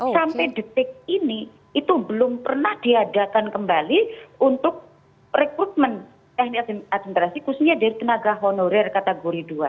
sampai detik ini itu belum pernah diadakan kembali untuk rekrutmen teknik administrasi khususnya dari tenaga honorer kategori dua